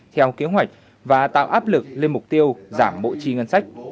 theo kế hoạch và tạo áp lực lên mục tiêu giảm bộ chi ngân sách